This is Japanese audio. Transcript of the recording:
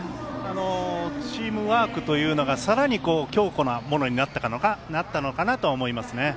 チームワークというのがさらに強固なものになったのかなと思いますね。